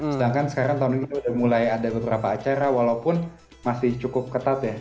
sedangkan sekarang tahun ini sudah mulai ada beberapa acara walaupun masih cukup ketat ya